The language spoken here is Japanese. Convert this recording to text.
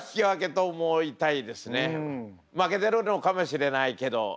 負けてるのかもしれないけど。